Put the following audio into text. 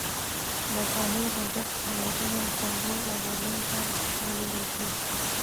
برټانیې پر ضد هیاتونه استانبول او برلین ته ولېږل شول.